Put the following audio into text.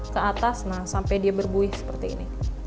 ke atas nah sampai dia berbuih seperti ini